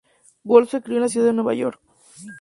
Wolf se crio en la ciudad de Nueva York.